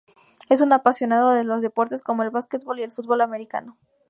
Es un apasionado de los deportes como el basquetbol y el fútbol americano.